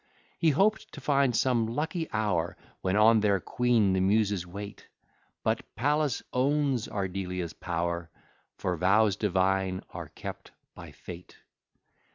He hop'd to find some lucky hour, When on their queen the Muses wait; But Pallas owns Ardelia's power: For vows divine are kept by Fate.